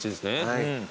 はい。